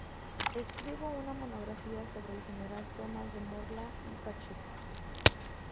Escribió una monografía sobre el General Tomás de Morla y Pacheco.